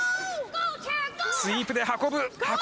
スイープで運ぶ。